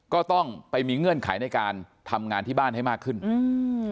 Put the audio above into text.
ก็ต้องไปมีเงื่อนไขในการทำงานที่บ้านให้มากขึ้นอืม